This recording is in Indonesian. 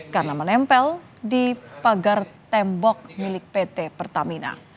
karena menempel di pagar tembok milik pt pertamina